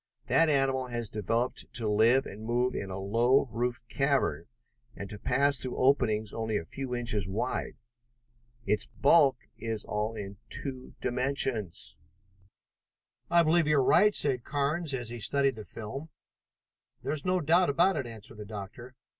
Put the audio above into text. That animal has been developed to live and move in a low roofed cavern, and to pass through openings only a few inches wide. Its bulk is all in two dimensions!" "I believe you're right," said Carnes as he studied the film. "There is no doubt of it," answered the doctor.